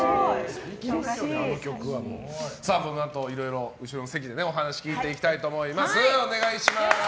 このあといろいろ後ろの席でお話を聞いていきたいと思います。